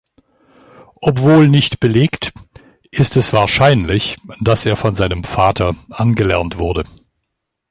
Obwohl nicht belegt, ist es wahrscheinlich, dass er von seinem Vater angelernt wurde.